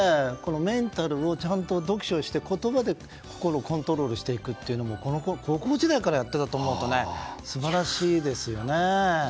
メンタルもちゃんと、読書して言葉で心をコントロールしていくというのも高校時代からやっていたと思うと素晴らしいですよね。